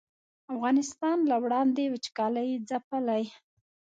افغانستان له وړاندې وچکالۍ ځپلی